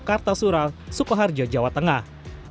jakarta sural sukoharjo jawa tengah